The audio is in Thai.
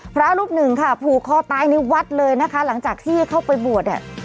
พระรูปหนึ่งค่ะผูกคอตายในวัดเลยนะคะหลังจากที่เข้าไปบวชเนี่ย